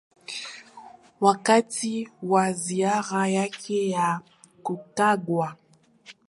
wakati wa ziara yake ya kukagua